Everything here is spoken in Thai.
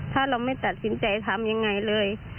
ถ้าเราไม่ตัดสินใจทำยังไงเลย